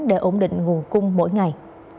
để ổn định nguồn cung mỗi ngày